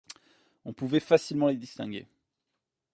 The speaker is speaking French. On pouvait facilement les distinguer.